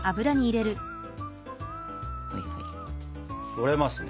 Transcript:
とれますね。